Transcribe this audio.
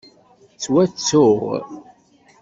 Ttwattuɣ.